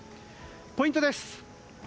ポイントです。